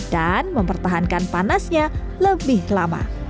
dan mempertahankan panasnya lebih lama